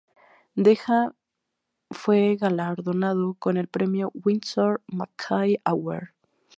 Deja fue galardonado con el premio Winsor McCay Award.